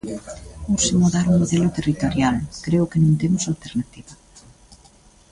"Urxe mudar o modelo territorial, creo que non temos alternativa".